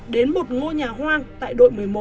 đến một ngôi nhà hoang tại đội một mươi một